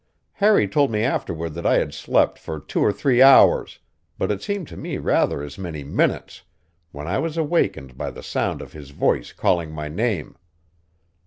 Harry told me afterward that I had slept for two or three hours, but it seemed to me rather as many minutes, when I was awakened by the sound of his voice calling my name.